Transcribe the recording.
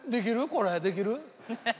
これ、できる？